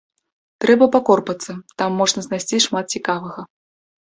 Трэба пакорпацца, там можна знайсці шмат цікавага.